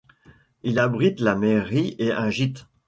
Il abrite la mairie et un gîte.